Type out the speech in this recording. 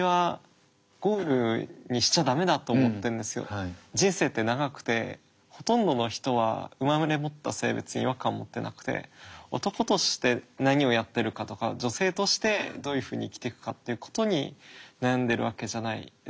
だから人生って長くてほとんどの人は生まれ持った性別に違和感持ってなくて男として何をやってるかとか女性としてどういうふうに生きていくかっていうことに悩んでるわけじゃないですか。